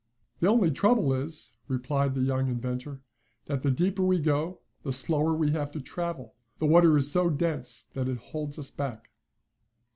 "The only trouble is," replied the young inventor, "that the deeper we go the slower we have to travel. The water is so dense that it holds us back."